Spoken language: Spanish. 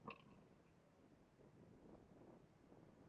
Se encuentran en África: ríos de la cuenca oeste de Camerún.